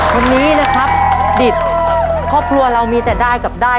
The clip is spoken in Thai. วันนี้นะครับดิตครอบครัวเรามีแต่ได้กับได้